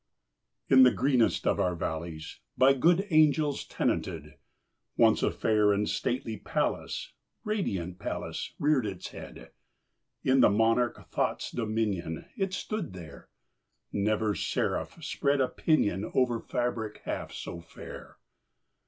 In the greenest of our valleys By good angels tenanted, Once a fair and stately palace Radiant palace reared its head. In the monarch Thought's dominion It stood there! Never seraph spread a pinion Over fabric half so fair!